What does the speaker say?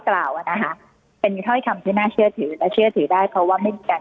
อ่ะนะคะเป็นถ้อยคำที่น่าเชื่อถือและเชื่อถือได้เพราะว่าไม่มีการ